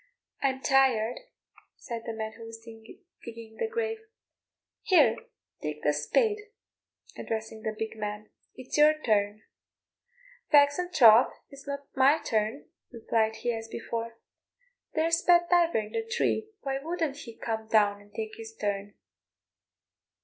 "I'm tired," said the man who was digging the grave; "here, take the spade," addressing the big man, "it's your turn." "Faix an' troth, it's no my turn," replied he, as before. "There's Pat Diver in the tree, why wouldn't he come down and tak' his turn?"